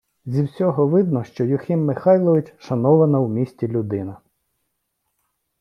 Зі всього видно, що Юхим Михайлович – шанована у місті людина.